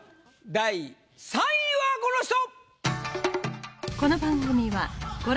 第３位はこの人！